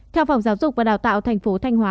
theo phòng giáo dục và đào tạo tp thanh hóa